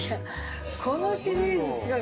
このシリーズすごい。